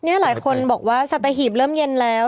นี่หลายคนบอกว่าสัตหีบเริ่มเย็นแล้ว